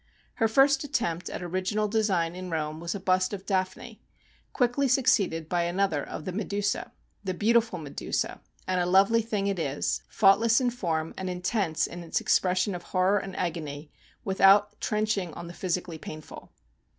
Her first attempt at original design in Rome was a bust of Daphne, quickly suc ceeded by another of the Medusa вҖ" the beautiful Medusa вҖ" and a lovely thing it is, faultless in form, and intense in its expres sion of horror and agony, without trench ing on the physically painful.